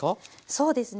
そうですね。